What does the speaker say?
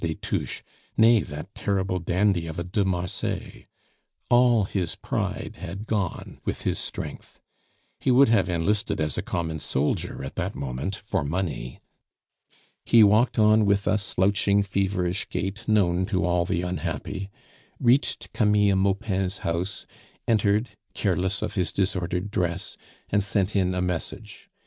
des Touches, nay, that terrible dandy of a de Marsay. All his pride had gone with his strength. He would have enlisted as a common soldier at that moment for money. He walked on with a slouching, feverish gait known to all the unhappy, reached Camille Maupin's house, entered, careless of his disordered dress, and sent in a message.